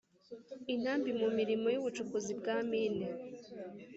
intambi mu mirimo y ubucukuzi bwa mine